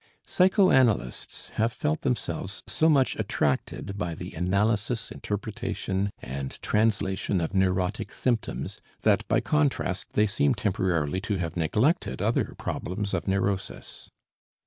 Psychoanalysts have felt themselves so much attracted by the analysis, interpretation and translation of neurotic symptoms, that by contrast they seem temporarily to have neglected other problems of neurosis.